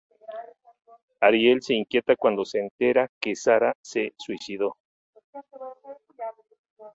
Ariel se inquieta cuando se entera que Sara se suicidó.